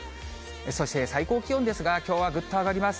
そして最高気温ですが、きょうはぐっと上がります。